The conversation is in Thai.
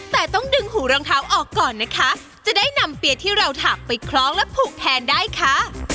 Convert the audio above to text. แต่ต้องดึงหูรองเท้าออกก่อนนะคะจะได้นำเปียที่เราถักไปคล้องและผูกแทนได้ค่ะ